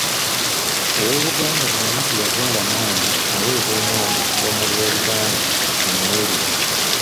Ow’oluganda bw’aba teyazaala mwana aweebwa omwana okuva mu b'oluganda amuweereze.